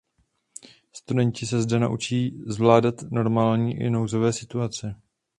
Studenti se zde naučí zvládat normální i nouzové situace.